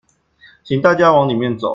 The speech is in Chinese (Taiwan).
請大家往裡面走